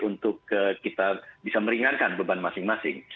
untuk kita bisa meringankan beban masing masing